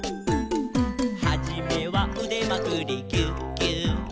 「はじめはうでまくりギューギュー」